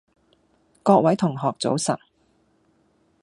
各位同學早晨